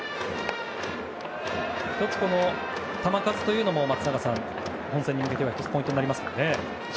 １つ、球数も松坂さん本戦に向けてポイントになりますね。